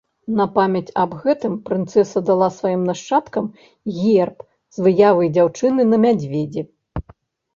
На памяць аб гэтым прынцэса дала сваім нашчадкам герб з выявай дзяўчыны на мядзведзі.